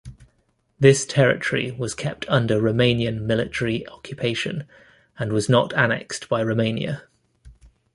This territory was kept under Romanian military occupation, and was not annexed by Romania.